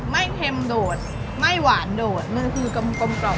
อ๋อไม่เค็มโดดไม่หวานโดดมันคือกลม